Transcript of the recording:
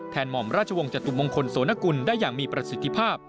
หม่อมราชวงศ์จตุมงคลโสนกุลได้อย่างมีประสิทธิภาพ